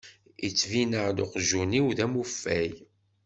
Yettbin-ak-d uqjun-iw d amufay?